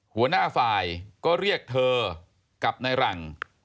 หัวหน้าฝ่ายก็เรียกเธอกับในหลัง